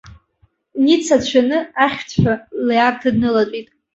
Ница дшәаны ахьшәҭҳәа лиарҭа днылатәеит.